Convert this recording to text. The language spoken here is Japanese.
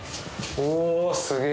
おすげえ